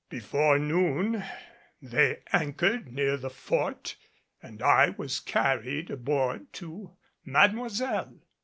Before noon they anchored near the Fort and I was carried aboard to Mademoiselle.